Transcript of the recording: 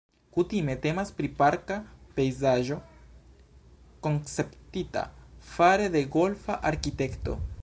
Kutime temas pri parka pejzaĝo konceptita fare de golfa arkitekto.